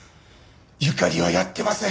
ゆかりはやってません。